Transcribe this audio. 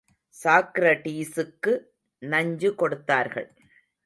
சாக்கிரடீசுக்கு நஞ்சு கொடுத்தார்கள்.